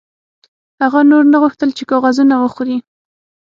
هغه نور نه غوښتل چې کاغذونه وخوري